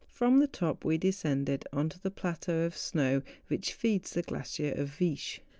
From the top, we descended on to the plateau of snow which feeds the glacier of Viescli.